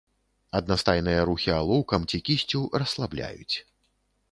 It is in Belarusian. Аднастайныя рухі алоўкам ці кісцю расслабляюць.